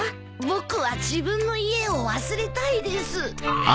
僕は自分の家を忘れたいです。